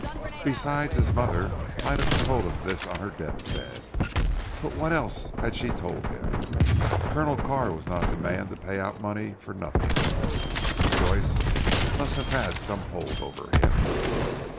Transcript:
Besides his mother might have told him this on her deathbed. But what else had she told him? Colonel Carr was not the man to pay out money for nothing. Mrs. Joyce must have had some hold over him.